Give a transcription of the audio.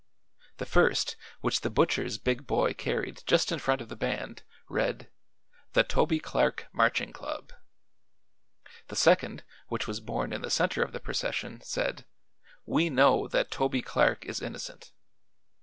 The first, which the butcher's big boy carried just in front of the band, read: "THE TOBY CLARK MARCHING CLUB." The second, which was borne in the center of the procession, said: "WE KNOW THAT TOBY CLARK IS INNOCENT."